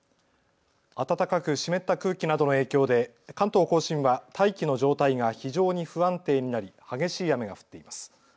暖かく湿った空気などの影響で関東甲信は大気の状態が非常に不安定になり激しい雨が降っています。